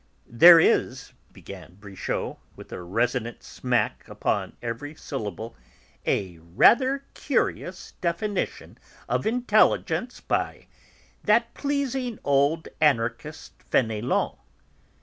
"There is," began Brichot, with a resonant smack upon every syllable, "a rather curious definition of intelligence by that pleasing old anarchist Fénelon..."